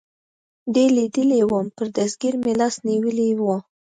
دې لیدلی ووم، پر دستګیر مې لاس نیولی و.